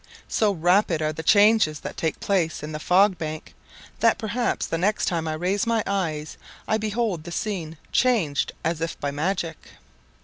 So rapid are the changes that take place in the fog bank, that perhaps the next time I raise my eyes I behold the scene changed as if by magic.